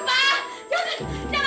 aduh ini kristal